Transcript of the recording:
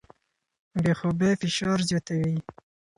بې خوبۍ فشار زیاتوي.